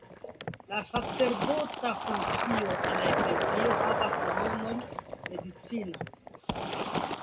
La sacerdota funkcio en la Eklezio havas rolon medicinan.